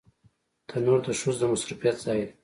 تنور د ښځو د مصروفيت ځای دی